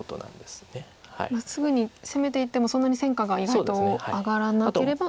すぐに攻めていってもそんなに戦果が意外と上がらなければ右辺と。